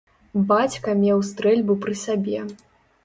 Бацька меў стрэльбу пры сабе.